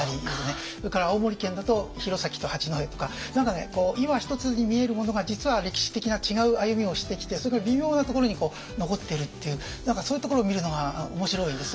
それから青森県だと弘前と八戸とか何かね今一つに見えるものが実は歴史的な違う歩みをしてきてそれが微妙なところに残っているっていう何かそういうところを見るのが面白いです。